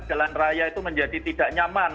jalan raya itu menjadi tidak nyaman